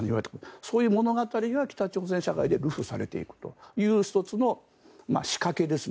そういう物語が北朝鮮社会で流布されていくという１つの仕掛けですね。